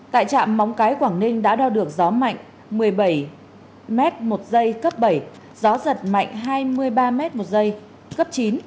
tại trạm móng cái quảng ninh đã đo được gió mạnh một mươi bảy m một dây cấp bảy gió giật mạnh hai mươi ba m một giây cấp chín